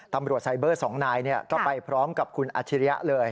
ตำรวจไซเบอร์๒นายก็ไปพร้อมกับคุณอาชิริยะเลย